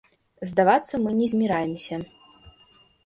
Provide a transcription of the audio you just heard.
Здавацца мы не зміраемся.